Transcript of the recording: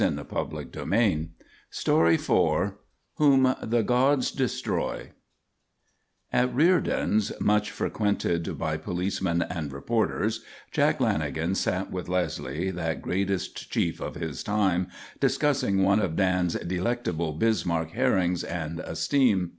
_" IV WHOM THE GODS DESTROY IV WHOM THE GODS DESTROY At Riordan's, much frequented by policemen and reporters, Jack Lanagan sat with Leslie, that greatest chief of his time, discussing one of Dan's delectable Bismarck herrings and a "steam."